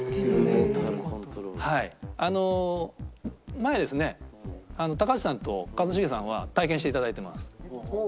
前ですね高橋さんと一茂さんは体験していただいてます。